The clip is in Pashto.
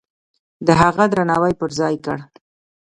د هغه درناوی پرځای کړ.